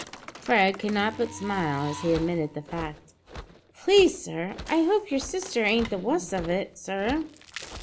Fred could not but smile as he admitted the fact. "Please, sir, I hope yer sister ain't the wuss of it, sir."